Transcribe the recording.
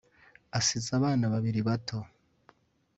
asize abana babiri bato